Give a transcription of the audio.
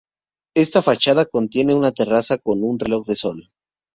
Esta fachada contiene una terraza con un reloj de sol.